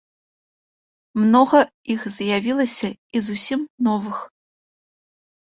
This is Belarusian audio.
Многа іх з'явілася і зусім новых.